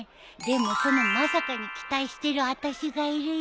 でもそのまさかに期待してるあたしがいるよ。